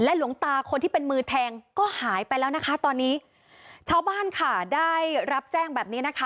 หลวงตาคนที่เป็นมือแทงก็หายไปแล้วนะคะตอนนี้ชาวบ้านค่ะได้รับแจ้งแบบนี้นะคะ